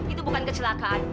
itu bukan kecelakaan